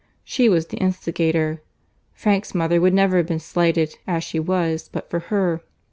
She was the instigator. Frank's mother would never have been slighted as she was but for her.